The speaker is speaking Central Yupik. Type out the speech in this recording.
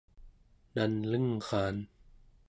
nanlengraan